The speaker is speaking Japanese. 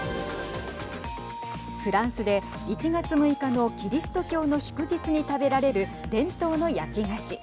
フランスで１月６日のキリスト教の祝日に食べられる伝統の焼き菓子。